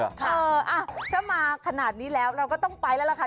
เออถ้ามาขนาดนี้แล้วเราก็ต้องไปแล้วล่ะค่ะ